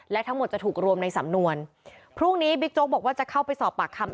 และทั้งหมดจะถูกรวมในสำนวนพรุ่งนี้บิ๊กโจ๊กบอกว่าจะเข้าไปสอบปากคำ